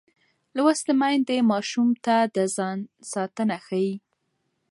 لوستې میندې ماشوم ته د ځان ساتنه ښيي.